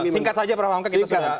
singkat saja perahamkan kita sudah